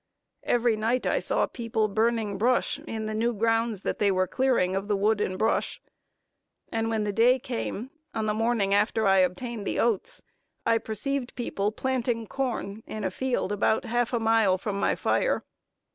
Every night I saw people burning brush in the new grounds that they were clearing of the wood and brush; and when the day came, in the morning after I obtained the oats, I perceived people planting corn in a field about half a mile from my fire.